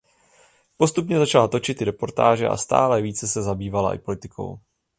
Postupně začala točit i reportáže a stále více se zabývala i politikou.